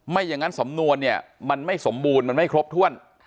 อย่างนั้นสำนวนเนี่ยมันไม่สมบูรณ์มันไม่ครบถ้วน